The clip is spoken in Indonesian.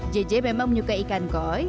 c c memang menyukai ikan koi